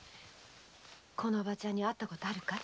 このおばちゃんに会ったことあるかい？